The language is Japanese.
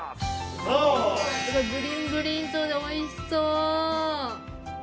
ブリンブリンそうでおいしそう！